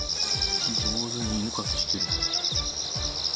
上手に犬かきしてる。